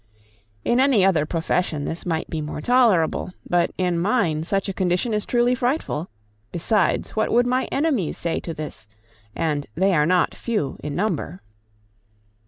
_ In any other profession this might be more tolerable, but in mine such a condition is truly frightful. Besides, what would my enemies say to this? and they are not few in number.